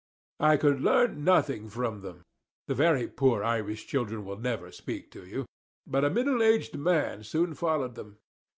I could learn nothing from them the very poor Irish children will never speak to you; but a middle aged man soon followed them.